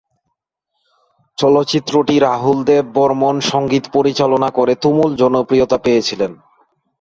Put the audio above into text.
চলচ্চিত্রটি রাহুল দেব বর্মণ সঙ্গীত পরিচালনা করে তুমুল জনপ্রিয়তা পেয়েছিলেন।